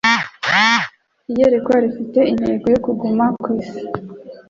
Iyerekwa rifite intego yo kuguma ku isi